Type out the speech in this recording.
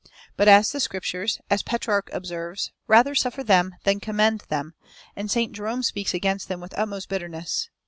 But the Scriptures, as Petrarch observes, rather suffer them than commend them; and St Jerom speaks against them with the utmost bitterness."